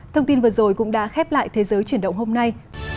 thông tin vừa rồi cũng đã khép lại thế giới chuyển động hôm nay